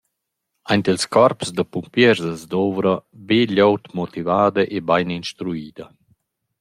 Aint ils corps da pumpiers as dovra be glieud motivada e bain instruida.